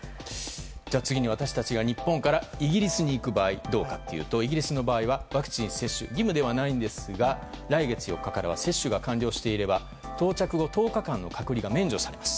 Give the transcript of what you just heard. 次に私たちが日本からイギリスに行く場合どうかというとイギリスの場合はワクチン接種は義務ではないんですが来月４日からは接種が完了していれば到着後１０日間の隔離が免除されます。